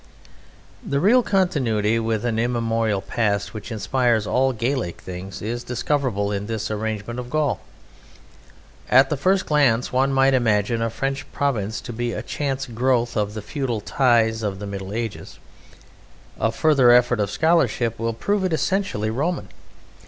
The real continuity with an immemorial past which inspires all Gallic things is discoverable in this arrangement of Gaul. At the first glance one might imagine a French province to be a chance growth of the feudal ties and of the Middle Ages. A further effort of scholarship will prove it essentially Roman.